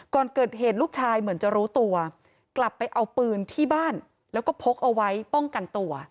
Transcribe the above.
ก่อนเกิดเหตุลูกชายเหมือนจะรู้ตัวกลับไปเอาปืนที่บ้านแล้วก็พกเอาไว้ป้องกันตัว